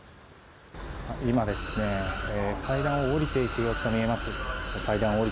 今、階段を下りていく様子が見えます。